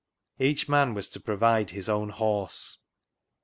Each man was to provide his own horse.